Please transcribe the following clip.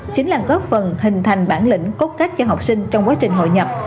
chính là góp phần hình thành bản lĩnh cốt cách cho học sinh trong quá trình hội nhập